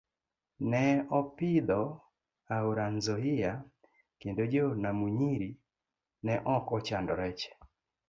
Ne opidho aora Nzoia kendo jo Namunyiri ne ok ochando rech.